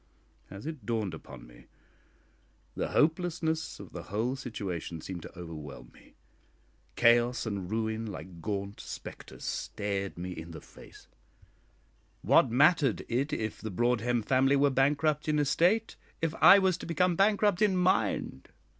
As it dawned upon me, the hopelessness of the whole situation seemed to overwhelm me. Chaos and ruin like gaunt spectres stared me in the face! What mattered it if the Broadhem family were bankrupt in estate, if I was to become bankrupt in mind?